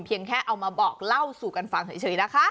แค่เอามาบอกเล่าสู่กันฟังเฉยนะคะ